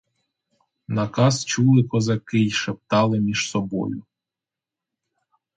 Наказ чули козаки й шептали між собою.